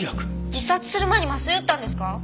自殺する前に麻酔打ったんですか？